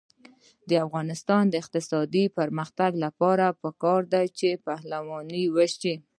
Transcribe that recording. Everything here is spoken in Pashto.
د افغانستان د اقتصادي پرمختګ لپاره پکار ده چې پهلواني وشي.